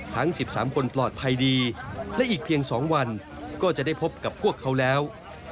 ทั้ง๑๓คนปลอดภัยดีและอีกเพียง๒วันก็จะได้พบกับพวกเขาแล้ว